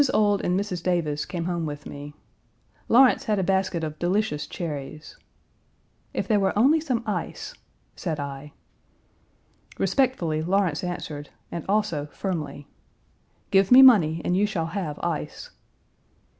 Ould and Mrs. Davis came home with me. Lawrence had a basket of delicious cherries. "If there were only some ice," said I. Respectfully Lawrence answered, and also firmly: "Give me money and you shall have ice."